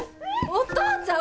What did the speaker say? お父ちゃん